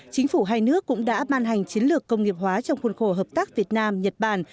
chính phủ hai nước cũng đã ban hành chiến lược công nghiệp hóa trong khuôn khổ hợp tác việt nam nhật bản